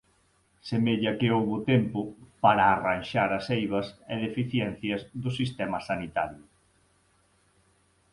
Semella que houbo tempo para arranxar as eivas e deficiencias do sistema sanitario.